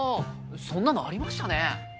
そんなのありましたね。